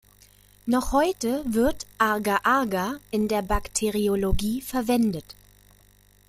Noch heute wird Agar-Agar in der Bakteriologie verwendet.